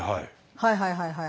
はいはいはいはい。